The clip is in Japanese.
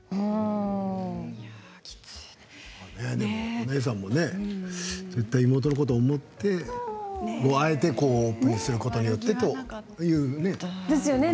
お姉さんもね妹のことを思ってあえてオープンにすることによってというね。